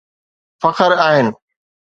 فخر آهن